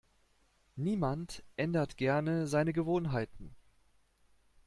Niemand ändert gerne seine Gewohnheiten.